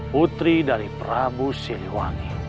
putri dari prabu siluang